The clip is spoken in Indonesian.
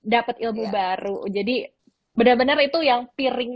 dapat ilmu baru mungkin